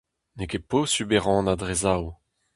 N'eo ket posupl e rannañ dre zaou.